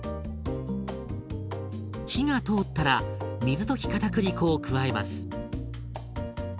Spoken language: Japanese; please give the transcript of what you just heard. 火が通ったら水溶きかたくり粉を加えます。